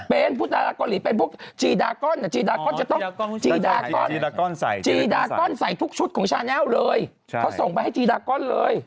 เป็นพวกดาราเกาหลีเป็นพวกจีดากอนจีดากอนใส่ทุกชุดของชาแนวเลยเค้าส่งไปให้จีดากอนเลย